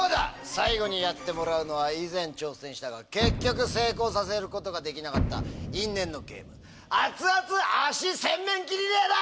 最後にやってもらうのは以前挑戦したが結局成功させることができなかった因縁のゲームアツアツ足洗面器リレーだ！